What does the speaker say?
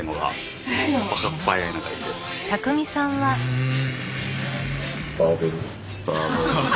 うん。